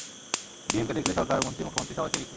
DM কে লেখলে, সরকার, মন্ত্রী, মুখ্যমন্ত্রী সবাইকে লিখলে।